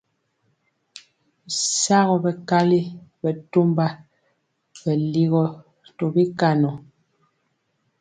Shagɔ mɛkali bɛtɔmba bɛ ligɔ tɔ bikaŋɔ.